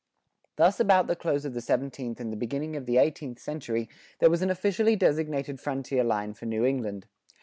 Thus about the close of the seventeenth and the beginning of the eighteenth century there was an officially designated frontier line for New England.